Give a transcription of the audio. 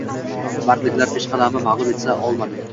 Madridliklar peshqadamni mag‘lub eta olmadi